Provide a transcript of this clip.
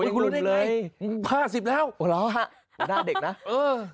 คุณรู้ได้ไงหลุมเลยโอ้โฮหล่ะหน้าเด็กนะเออคุณรู้ได้ไง